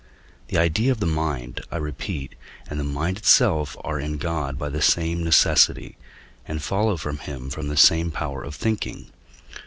The idea of the mind, I repeat, and the mind itself are in God by the same necessity and follow from him from the same power of thinking.